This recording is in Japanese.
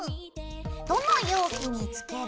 どの容器につける？